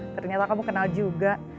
ternyata kamu kenal juga